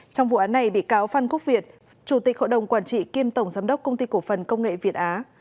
trong vụ án này bị cáo phan quốc việt chủ tịch hội đồng quản trị kiêm tổng giám đốc công ty cổ phần công nghệ việt á